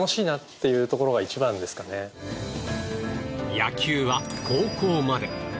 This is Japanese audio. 野球は高校まで。